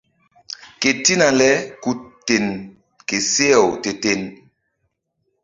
Ketina le ku ten ke seh-aw te-ten.